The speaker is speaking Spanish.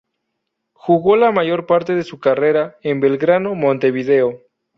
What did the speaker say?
Jugó la mayor parte de su carrera en Belgrano Montevideo.